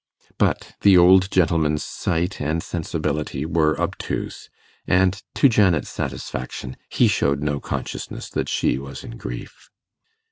But the old gentleman's sight and sensibility were obtuse, and, to Janet's satisfaction, he showed no consciousness that she was in grief.